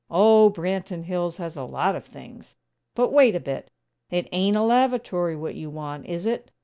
"Oh, Branton Hills has a lot of things. But, wait a bit! It ain't a lavatory what you want, is it?"